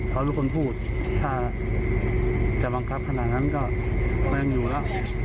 เขารู้คนพูดถ้าจะบังกับขนาดนั้นก็ยังอยู่ละ